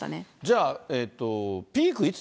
じゃあ、ピーク